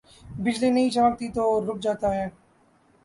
بجلی نہیں چمکتی تو رک جاتا ہے۔